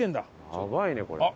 やばいねこれ。